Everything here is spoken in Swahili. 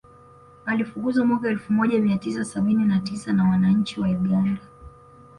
Alifukuzwa mwaka elfu moja mia tisa sabini na tisa na wananchi wa Uganda